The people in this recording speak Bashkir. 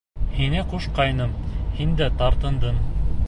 Һиңә ҡушҡайным, һин дә тартындың.